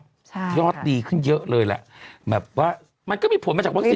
ใช่ยอดดีขึ้นเยอะเลยแหละแบบว่ามันก็มีผลมาจากวัคร